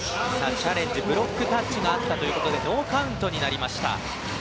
チャレンジはブロックタッチがあったということでノーカウントになりました。